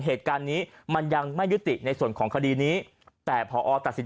เหตุการณ์นี้มันยังไม่ยุติในส่วนของคดีนี้แต่พอตัดสิน